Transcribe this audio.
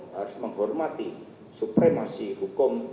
harus menghormati supremasi hukum